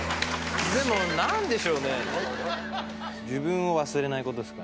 でも何でしょうね。